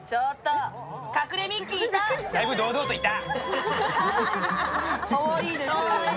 だいぶ堂々といた。